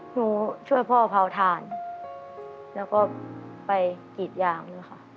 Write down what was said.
หนูช่วยพ่อเผาถ่านแล้วก็ไปกรีดยางด้วยค่ะ